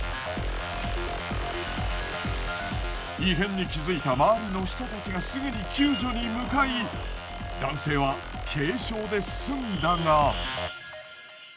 異変に気づいた周りの人たちがすぐに救助に向かい男性は軽傷で済んだが。